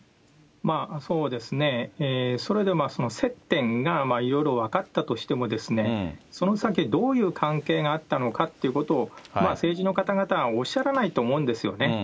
そうですね、それで接点がいろいろ分かったとしても、その先、どういう関係があったのかってことを政治の方々はおっしゃらないと思うんですよね。